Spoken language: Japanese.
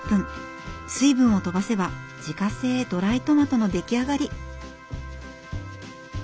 水分をとばせば自家製ドライトマトの出来上がり。